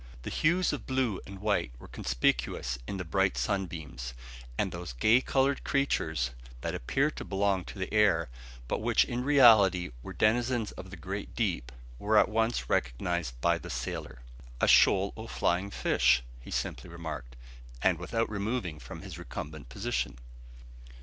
The hues of blue and white were conspicuous in the bright sunbeams, and those gay coloured creatures, that appeared to belong to the air, but which in reality were denizens of the great deep, were at once recognised by the sailor. "A shoal o' flyin' fish," he simply remarked, and without removing from his recumbent position.